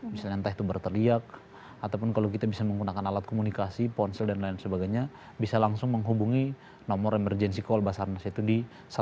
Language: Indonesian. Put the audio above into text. misalnya entah itu berteriak ataupun kalau kita bisa menggunakan alat komunikasi ponsel dan lain sebagainya bisa langsung menghubungi nomor emergency call basarnas itu di satu ratus delapan puluh